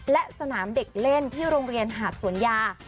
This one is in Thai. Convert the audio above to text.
และสนามเด็กเล่นที่โรงเรียนหาดสวนยา